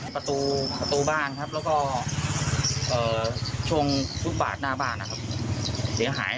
ประตูบ้านแล้วก็ชงทุกบาทหน้าบ้านเหลียงหาย